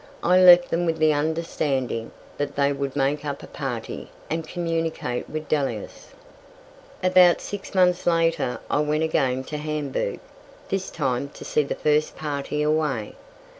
I left them with the understanding that they would make up a party and communicate with Delius. About six months later I went again to Hamburg, this time to see the first party away.